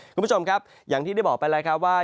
คุณผู้ชมครับอย่างที่ได้บอกไปแล้วครับว่า